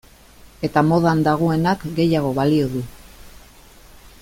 Eta modan dagoenak gehiago balio du.